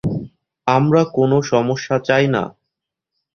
আমরা কোনো সমস্যা চাই না।